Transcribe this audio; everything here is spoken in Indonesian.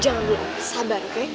jangan dulu om sabar oke